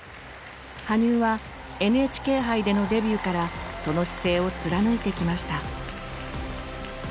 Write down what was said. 羽生はＮＨＫ杯でのデビューからその姿勢を貫いてきました。